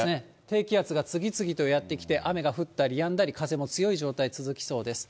低気圧が次々とやって来て雨が降ったりやんだり、風も強い状態続きそうです。